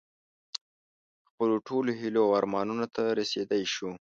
خپلو ټولو هیلو او ارمانونو ته رسېدی شو.